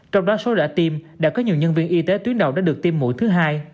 trong đó số rã tim đã có nhiều nhân viên y tế tuyến đầu đã được tiêm mũi thứ hai